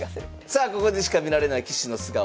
さあここでしか見られない棋士の素顔